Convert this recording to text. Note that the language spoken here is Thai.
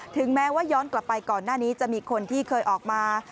ถึงแม้ว่าย้อนกลับไปก่อนหน้านี้จะมีคนที่เคยออกมา